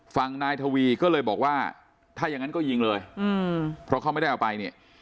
ฝั่งนายทวีก็เลยบอกว่าถ้าอย่างนั้นก็ยิงเลยเพราะเขาไม่ได้เอาไปเนี่ย